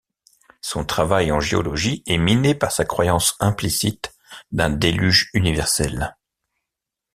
Son travail en géologie est miné par sa croyance implicite d'un déluge universel.